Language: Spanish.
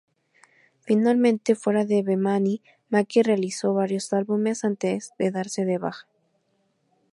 Finalmente, fuera de Bemani, Maki realizó varios álbumes antes de darse de baja.